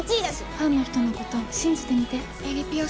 ファンの人のこと信じてみてえりぴよ